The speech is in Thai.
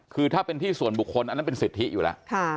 คือถ้าเป็นที่ส่วนบุคคลอันนั้นเป็นสิทธิอยู่แล้ว